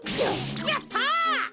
やった！